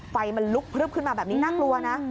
ไฟมันลุกพลึบขึ้นมาแบบนี้น่ากลัวนะ